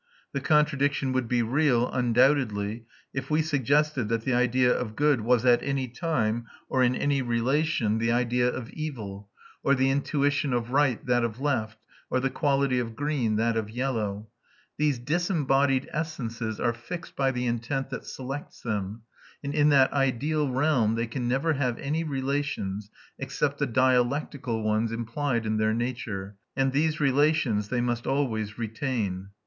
The contradiction would be real, undoubtedly, if we suggested that the idea of good was at any time or in any relation the idea of evil, or the intuition of right that of left, or the quality of green that of yellow; these disembodied essences are fixed by the intent that selects them, and in that ideal realm they can never have any relations except the dialectical ones implied in their nature, and these relations they must always retain.